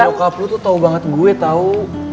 bokap lu tuh tau banget gue tau